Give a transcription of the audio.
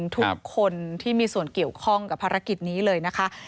ทุกคนที่มีส่วนเกี่ยวข้องกับภารกิจนี้เลยนะคะ